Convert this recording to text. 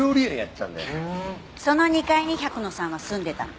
その２階に百野さんは住んでたの。